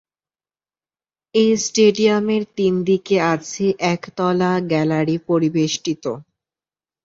এ স্টেডিয়ামের তিন দিকে আছে একতলা গ্যালারি পরিবেষ্টিত।